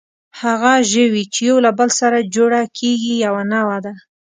هغه ژوي، چې یو له بل سره جوړه کېږي، یوه نوعه ده.